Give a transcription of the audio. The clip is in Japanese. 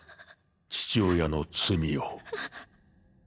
父親の罪を。